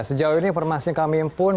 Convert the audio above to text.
sejauh ini informasi kami pun